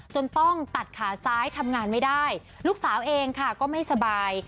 ต้องตัดขาซ้ายทำงานไม่ได้ลูกสาวเองค่ะก็ไม่สบาย